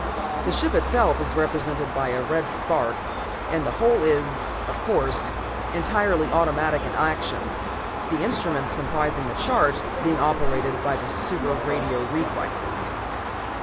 The ship itself is represented by a red spark and the whole is, of course, entirely automatic in action, the instruments comprising the chart being operated by super radio reflexes.